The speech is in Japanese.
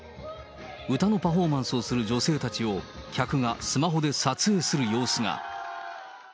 歌のパフォーマンスをする女性たちを客がスマホで撮影する様子が。